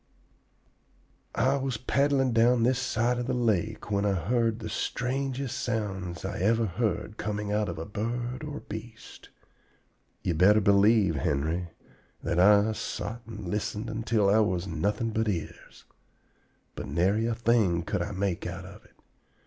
"I was paddling down this side of the lake when I heard the strangest sounds I ever heard coming out of a bird or beast. Ye better believe, Henry, that I sot and listened until I was nothing but ears. But nary a thing could I make out of it.